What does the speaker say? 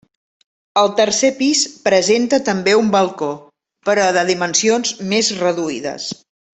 El tercer pis presenta també un balcó, però de dimensions més reduïdes.